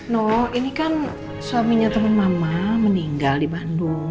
nuh ini kan suaminya temen mama meninggal di bandung